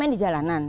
main di jalanan